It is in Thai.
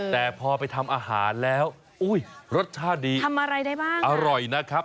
แต่พอไปทำอาหารแล้วอุ้ยรสชาติดีทำอะไรได้บ้างอร่อยนะครับ